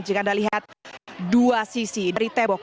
jika anda lihat dua sisi dari tembok